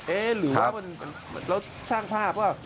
เอ๊ะหรือว่ามันเราสร้างภาพว่า